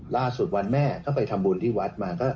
ล่าสุดวันแม่ก็ไปทำบุญที่วัดมา